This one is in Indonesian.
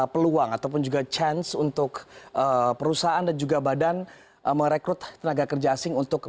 peluang ataupun juga chance untuk perusahaan dan juga badan merekrut tenaga kerja asing untuk